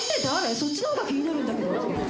そっちのほうが気になるんだけど。